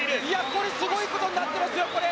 これすごいことになってますよ！